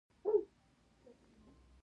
هغه وايي چې ګرانو کارګرانو تاسو باید وویاړئ